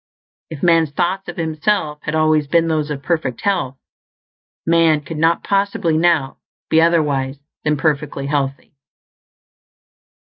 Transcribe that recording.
If man's thoughts of himself had always been those of perfect health, man could not possibly now be otherwise than perfectly healthy.